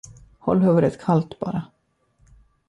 Håll huvudet kallt, bara.